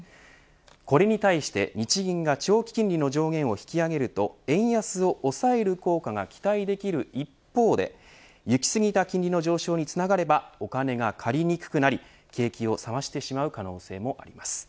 これに対して日銀が長期金利の上限を引き上げると円安を抑える効果が期待できる一方で行きすぎた金利の上昇につながればお金が借りにくくなり、景気を冷ましてしまう可能性もあります。